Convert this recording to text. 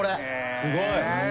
すごい。